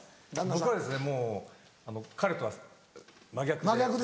僕はもう彼とは真逆で。